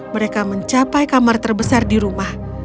mereka mencapai kamar terbesar di rumah